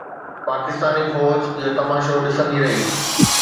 پاڪستاني فوج اهو تماشو ڏسندي رهي.